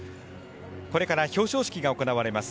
これから表彰式が行われます。